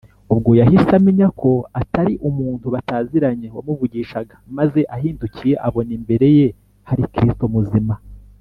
” ubwo yahise amenya ko atari umuntu bataziranye wamuvugishaga, maze ahindukiye abona imbere ye hari kristo muzima